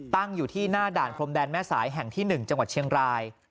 ตั้งอยู่ที่หน้าด่านพรมแดนแม่สายแห่งที่๑จังหวัดเชียงราย